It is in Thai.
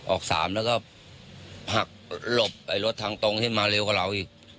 ออก๓แล้วก็หักหลบรถทางตรงที่มาเร็วกว่าเราอีก